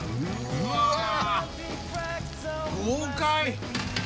うわ豪快！